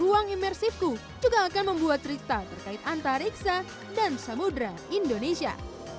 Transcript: ruang imersifku juga akan membuat cerita terkait antariksa dan samudera indonesia